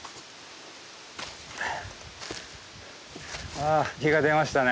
あ日が出ましたね。